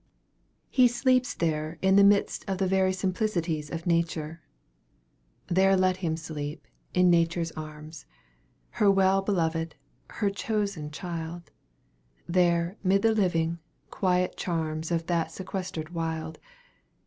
"He sleeps there in the midst of the very simplicities of Nature." There let him sleep, in Nature's arms, Her well beloved, her chosen child There 'mid the living, quiet charms Of that sequestered wild.